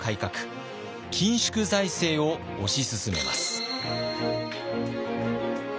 緊縮財政を推し進めます。